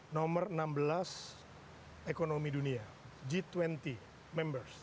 nomor enam belas ekonomi dunia g dua puluh members